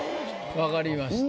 分かりました。